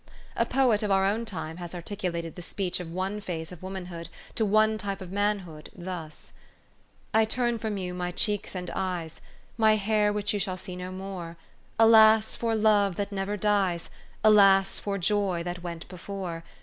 A poet of our own time has articulated the speech of one phase of womanhood to one type of manhood thus, "I turn from you my cheeks and eyes, My hair which you shall see no more. Alas for love that never dies ! Alas for joy that went before!